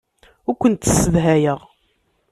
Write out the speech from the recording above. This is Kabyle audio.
Ur kent-ssedhayeɣ.